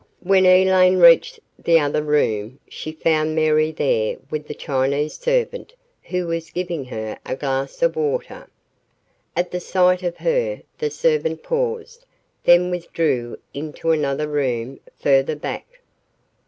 When Elaine reached the other room, she found Mary there with the Chinese servant who was giving her a glass of water. At the sight of her, the servant paused, then withdrew into another room further back.